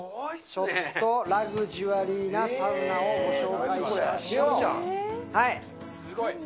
ちょっとラグジュアリーなサウナをご紹介しましょう。